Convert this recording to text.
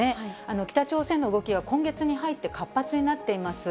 北朝鮮の動きは今月に入って、活発になっています。